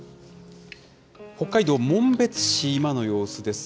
北海道紋別市、今の様子です。